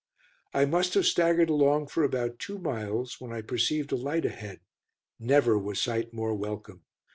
I must have staggered along for about two miles when I perceived a light ahead. Never was sight more welcome.